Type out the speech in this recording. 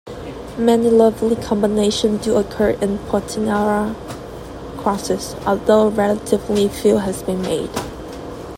Many lovely combinations do occur in Potinara crosses, although relatively few have been made.